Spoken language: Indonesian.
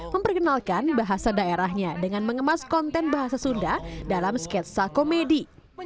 memperkenalkan bahasa daerahnya dengan mengemas konten bahasa sunda dalam sketsa komedi